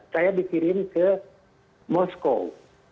saya dikirim ke moskow